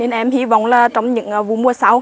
nên em hy vọng là trong những mùa sau